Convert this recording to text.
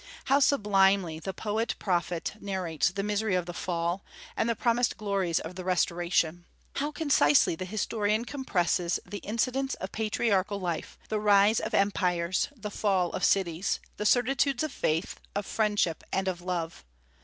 How sublimely the poet prophet narrates the misery of the Fall, and the promised glories of the Restoration! How concisely the historian compresses the incidents of patriarchal life, the rise of empires, the fall of cities, the certitudes of faith, of friendship, and of love!